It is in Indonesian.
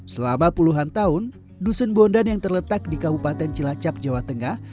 selama puluhan tahun dusun bondan yang terletak di kabupaten cilacap jawa tengah